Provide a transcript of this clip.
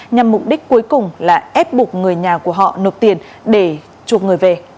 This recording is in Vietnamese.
nhằm mục đích cuối cùng là ép buộc người nhà của họ nộp tiền để chuộc người về